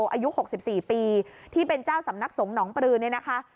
อายุ๖๔ปีที่เป็นเจ้าสำนักสงฆ์หนองปลือเนี่ยนะคะ